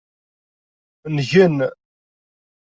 Ngen.